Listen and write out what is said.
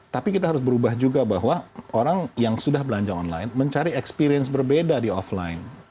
tapi kita harus berubah juga bahwa orang yang sudah belanja online mencari experience berbeda di offline